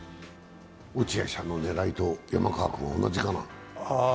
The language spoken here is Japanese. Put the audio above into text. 落合さんの狙いと山川君は同じかな？